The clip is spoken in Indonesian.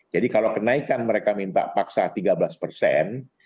jadi kalau kenaikan mereka minta paksa tiga belas persen